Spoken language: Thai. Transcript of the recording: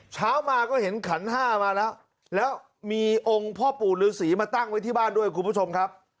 เช้ามาก็เห็นขันห้ามาแล้วแล้วมีองค์พ่อปู่ฤษีมาตั้งไว้ที่บ้านด้วยคุณผู้ชมครับ